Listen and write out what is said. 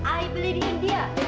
aku beli di india